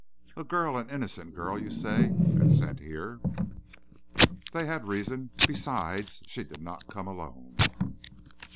A girl, an innocent girl, you say, and sent here?" "They had reason; besides, she did not come alone."